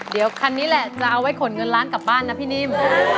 เดี๋ยวคันนี้แหละจะเอาไว้ขนเงินล้านกลับบ้านนะพี่นิ่ม